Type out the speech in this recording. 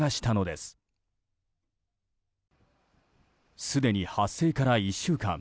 すでに発生から１週間。